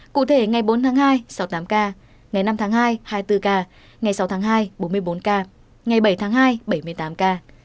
cụ thể ngày bốn tháng hai sáu mươi tám ca ngày năm tháng hai hai mươi bốn ca ngày sáu tháng hai bốn mươi bốn ca ngày bảy tháng hai bảy mươi tám ca